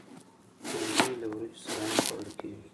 بېنډۍ له وریژو سره هم خوړل کېږي